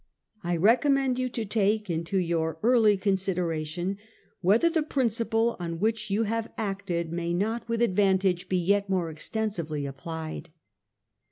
I recommend you to take into your early conside ration whether the principle on which you have acted 373 A HISTORY OF OUR OWN TIMES. cn. xt. may not with advantage be yet more extensively applied.